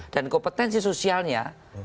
dan kompetensi sosialnya